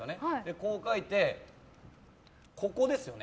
こう書いて、ここですよね。